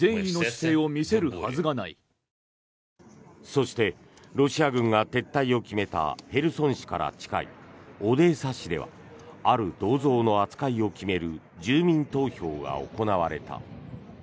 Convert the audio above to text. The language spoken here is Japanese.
そして、ロシア軍が撤退を決めたヘルソン市から近いオデーサ市ではある銅像の扱いを決める住民投票が行われた。